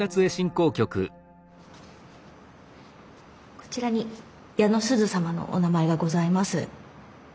こちらに矢野須壽様のお名前がございます。